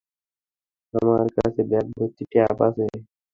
আমার কাছে ব্যাগ ভর্তি ট্যাপ আছে।